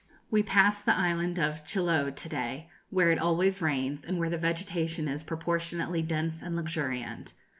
We passed the island of Chiloe to day, where it always rains, and where the vegetation is proportionately dense and luxuriant.